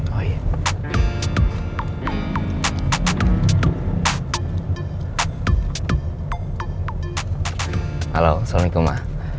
halo assalamualaikum ma